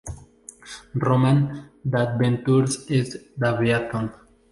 Roman D`aventures Et D`aviation".